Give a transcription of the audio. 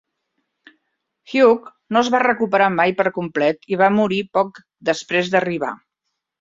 Hugh no es va recuperar mai per complet i va morir poc després d'arribar.